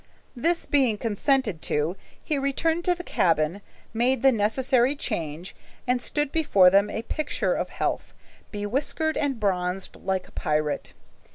This being consented to, he returned to the cabin, made the necessary change, and stood before them a picture of health, bewhiskered and bronzed like a pirate.